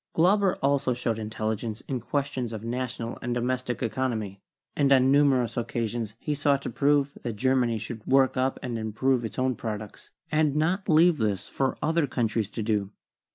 Glauber 78 CHEMISTRY also showed intelligence in questions of national and do mestic economy, and on numerous occasions he sought to prove that Germany should work up and improve its own products, and not leave this for other countries to do.